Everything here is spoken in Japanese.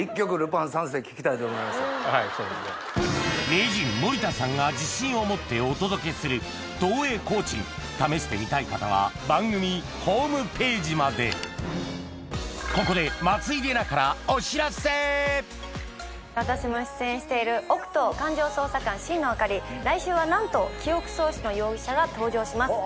名人森田さんが自信を持ってお届けする試してみたい方は番組ホームページまでここで私も出演している『オクトー感情捜査官心野朱梨』。来週はなんと記憶喪失の容疑者が登場します。